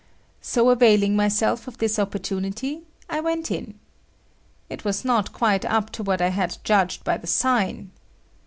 So availing myself of this opportunity, I went in. It was not quite up to what I had judged by the sign.